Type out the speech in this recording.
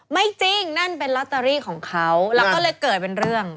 ไม่จริงนั่นเป็นลอตเตอรี่ของเขาแล้วก็เลยเกิดเป็นเรื่อง